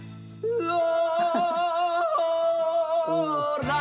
うわ！